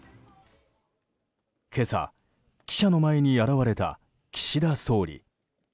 今朝、記者の前に現れた岸田総理。